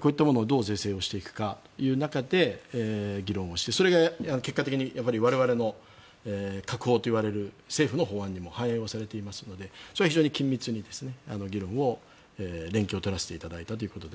こういったものをどう是正をしていくかという中で議論をして、それが結果的に我々の、閣法といわれる政府の法案にも反映されていますのでそれは非常に緊密に議論の連携を取らせていただいたということです。